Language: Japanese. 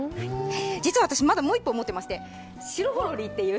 実は私、もう１個持ってまして。